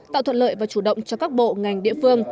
tạo thuận lợi và chủ động cho các bộ ngành địa phương